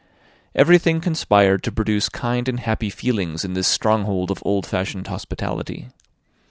Everything conspired to produce kind and happy feelings in this stronghold of old fashioned hospitality.